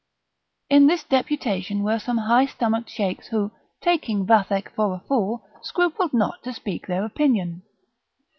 In this deputation were some high stomached Sheiks, who, taking Vathek for a fool, scrupled not to speak their opinion.